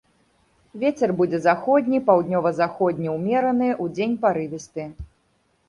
Вецер будзе заходні, паўднёва-заходні ўмераны, удзень парывісты.